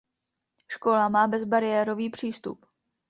Škola má bezbariérový přístup.